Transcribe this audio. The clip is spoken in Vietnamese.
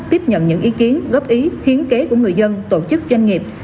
tiếp nhận những ý kiến góp ý hiến kế của người dân tổ chức doanh nghiệp